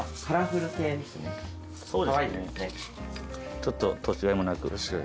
ちょっと年がいもなく。